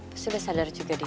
pasti udah sadar juga deh